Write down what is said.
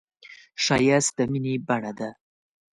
ښایست د مینې بڼه ده